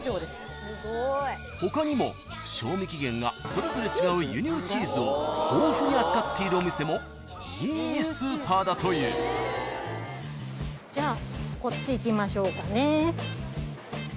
［他にも賞味期限がそれぞれ違う輸入チーズを豊富に扱っているお店もいいスーパーだという］じゃあ。